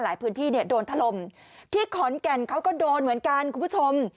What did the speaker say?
พื้นที่เนี่ยโดนถล่มที่ขอนแก่นเขาก็โดนเหมือนกันคุณผู้ชม